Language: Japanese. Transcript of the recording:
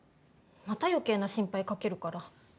また余計な心配かけるから。